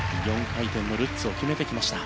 ４回転のルッツを決めてきました。